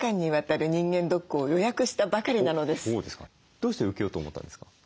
どうして受けようと思ったんですか？